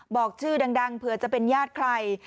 บอกชื่อดังเผื่อจะเป็นญาติใคร